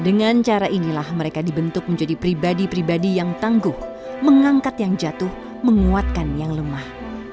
dengan cara inilah mereka dibentuk menjadi pribadi pribadi yang tangguh mengangkat yang jatuh menguatkan yang lemah